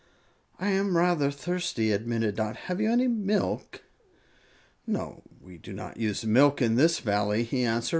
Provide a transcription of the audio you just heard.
"I am rather thirsty," admitted Dot; "have you any milk?" "No, we do not use milk in this Valley," he answered.